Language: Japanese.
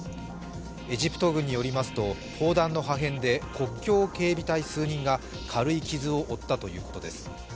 エジプト軍によりますと、砲弾の破片で国境警備隊員数人が軽い傷を負ったということです。